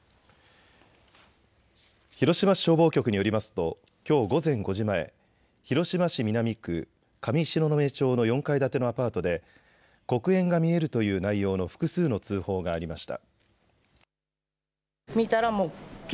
広島市消防局によりますときょう午前５時前、広島市南区上東雲町の４階建てのアパートで黒煙が見えるという内容の複数の通報がありました。